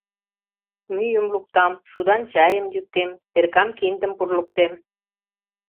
Мӱйым луктам, шудан чайым йӱктем, перкан киндым пурлыктем.